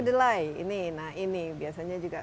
delai ini biasanya juga